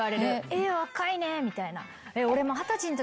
え若いねみたいな。